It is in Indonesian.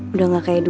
udah ga kayak dulu